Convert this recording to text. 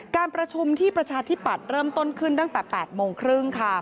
การประชุมที่ประชาธิปัตย์เริ่มต้นขึ้นตั้งแต่๘โมงครึ่งค่ะ